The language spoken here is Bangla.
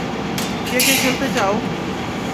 কে কে খেলতে চাও?